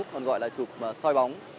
còn gọi là chụp soi bóng